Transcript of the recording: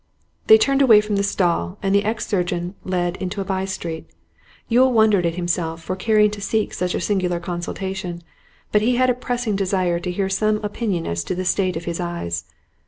They turned away from the stall, and the ex surgeon led into a by street. Yule wondered at himself for caring to seek such a singular consultation, but he had a pressing desire to hear some opinion as to the state of his eyes.